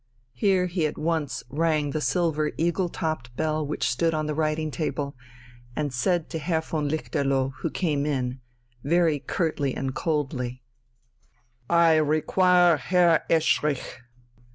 Here he at once rang the silver eagle topped bell which stood on the writing table, and said to Herr von Lichterloh, who came in, very curtly and coldly: "I require Herr Eschrich."